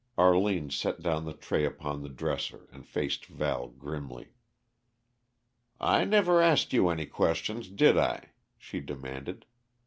Arline set down the tray upon the dresser and faced Val grimly. "I never asked you any questions, did I?" she demanded.